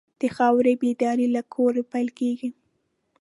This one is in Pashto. د خاورې بیداري له کوره پیل کېږي.